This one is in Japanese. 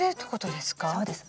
そうです。